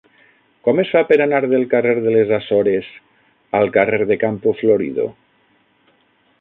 Com es fa per anar del carrer de les Açores al carrer de Campo Florido?